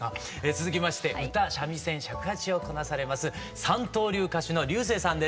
続きまして歌三味線尺八をこなされます三刀流歌手の彩青さんです。